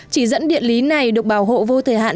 chỉ dẫn địa lý này được bảo hộ vô thời hạn